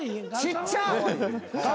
ちっちゃ！